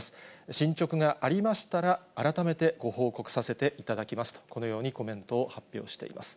進捗がありましたら改めてご報告させていただきますと、このようにコメントを発表しています。